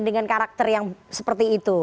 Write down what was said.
dengan karakter yang seperti itu